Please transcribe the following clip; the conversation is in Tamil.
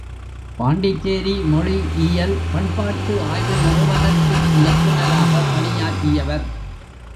பாண்டிச்சேரி மொழியியல் பண்பாட்டு ஆய்வு நிறுவனத்தின் இயக்குநராக பணியாற்றியவர்.